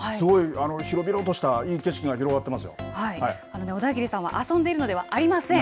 広々とした、いい景色が小田切さんは遊んでいるのではありません。